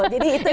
jadi itu yang